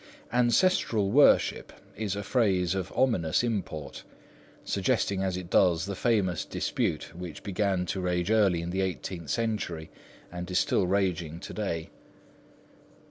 "Ancestral worship" is a phrase of ominous import, suggesting as it does the famous dispute which began to rage early in the eighteenth century and is still raging to day.